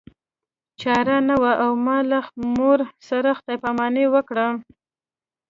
چاره نه وه او ما له مور سره خدای پاماني وکړه